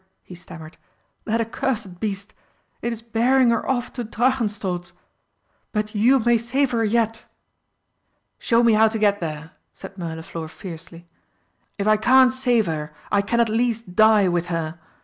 he stammered, "that accursed beast! It is bearing her off to Drachenstolz! But you may save her yet!" "Show me how to get there!" said Mirliflor fiercely. "If I can't save her I can at least die with her.